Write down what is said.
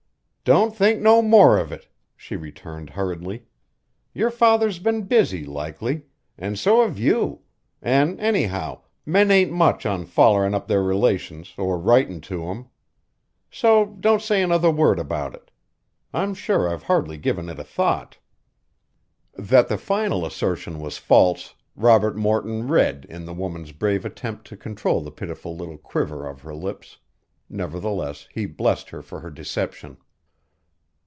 "Don't think no more of it!" she returned hurriedly. "Your father's been busy likely, an' so have you; an' anyhow, men ain't much on follerin' up their relations, or writin' to 'em. So don't say another word about it. I'm sure I've hardly given it a thought." That the final assertion was false Robert Morton read in the woman's brave attempt to control the pitiful little quiver of her lips; nevertheless he blessed her for her deception.